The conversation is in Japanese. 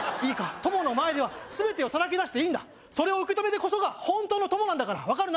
友の前では全てをさらけだしていいんだそれを受け止めてこそが本当の友なんだから分かるな？